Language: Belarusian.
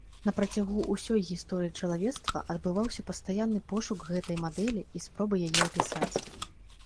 На працягу ўсёй гісторыі чалавецтва адбываўся пастаянны пошук гэтай мадэлі і спробы яе апісаць.